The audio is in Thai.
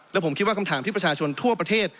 และผมคิดว่าคำถามที่ประชาชนทั่วประเทศ